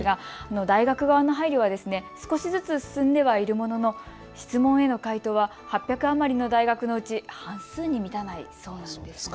大学側の配慮は少しずつ進んではいるものの質問への回答は８００余りの大学のうち半数に満たないそうです。